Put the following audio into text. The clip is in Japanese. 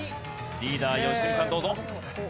リーダー良純さんどうぞ。